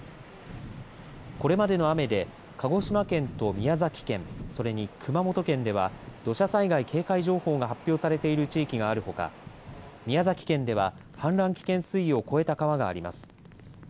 これまでの雨で鹿児島県と宮崎県それに熊本県では土砂災害警戒情報が発表されている地域があるほか宮崎県では氾濫危険水位を超えた川があります。